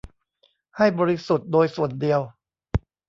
ให้บริสุทธิ์โดยส่วนเดียว